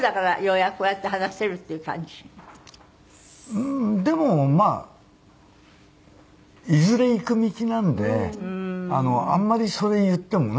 うーんでもまあいずれいく道なんであんまりそれ言ってもね。